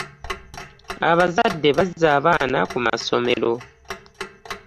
Abazadde bazza baana ku masomero.